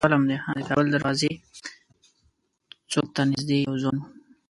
د کابل دروازې څوک ته نیژدې یو ځوان و.